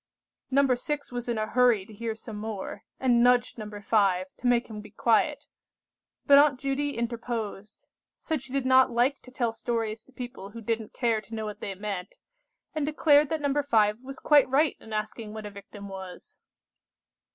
No. 6 was in a hurry to hear some more, and nudged No. 5 to make him be quiet; but Aunt Judy interposed; said she did not like to tell stories to people who didn't care to know what they meant, and declared that No. 5 was quite right in asking what a victim was.